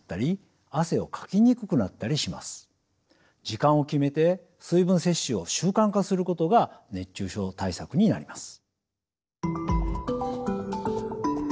時間を決めて水分摂取を習慣化することが熱中症対策になります。